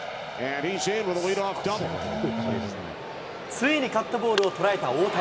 ついにカットボールを捉えた大谷。